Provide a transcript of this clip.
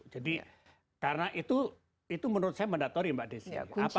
jadi karena itu menurut saya mandatory mbak desi